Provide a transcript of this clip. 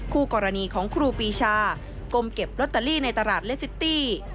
คู่กรณีของครูปีชากมเก็บลอตเตอรี่ในตลาดเลสซิตี้